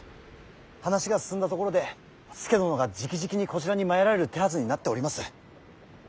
話が進んだところで佐殿がじきじきにこちらに参られる手はずになっております。